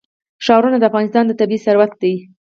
ښارونه د افغانستان طبعي ثروت دی.